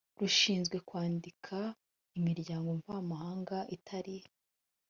rushinzwe kwandika imiryango mvamahanga itari